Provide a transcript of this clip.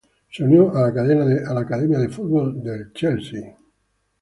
Se unió a la academia de fútbol del Chelsea.